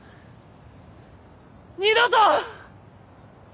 二度と。